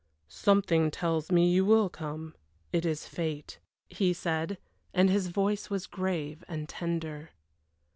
"Something tells me you will come; it is fate," he said, and his voice was grave and tender.